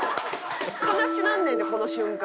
悲しなんねんってこの瞬間。